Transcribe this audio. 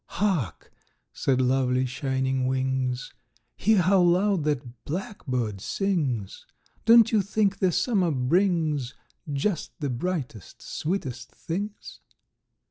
"Hark!" said lovely Shining Wings, "Hear how loud that blackbird sings! Don't you think the summer brings Just the brightest, sweetest things?